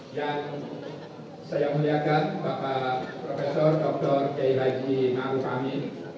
dan saya muliakan bapak profesor dr jai lagi nangukami